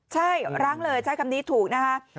ใช่รั้งเลยใช้คำนี้ถูกนะคะ